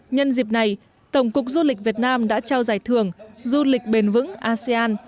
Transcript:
nhân dịp này tổng cục du lịch việt nam đã trao giải thưởng du lịch bền vững asean